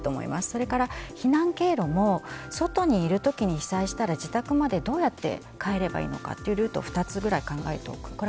それから避難経路も外にいる時に被災したら自宅までどうやって帰ればいいのかというルートを２つくらい考えておく。